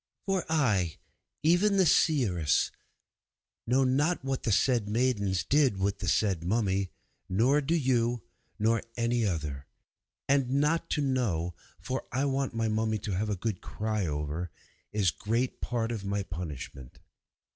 For I, even the seeress, know not what the said maidens did with the said mummy, nor do you know, nor any other. And not to know, for I want my mummy to have a good cry over, is great part of my punishment.